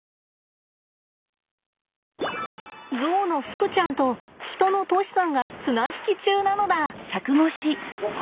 ゾウのふくちゃんとヒトの杜師さんが綱引き中なのだ。